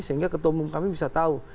sehingga ketua umum kami bisa tahu